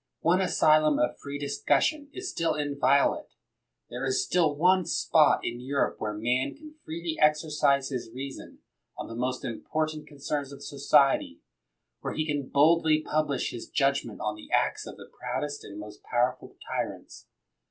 One asylum of free discussion is still inviolate. There is still one spot in Europe where man can freely exercise his reason on the most important concerns of society, where he can boldly publish his judgment on the acts of the proudest and most powerful tyrants.